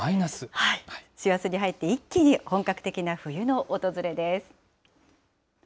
師走に入って、一気に本格的な冬の訪れです。